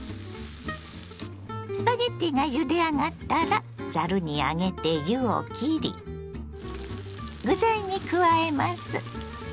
スパゲッティがゆであがったらざるに上げて湯をきり具材に加えます。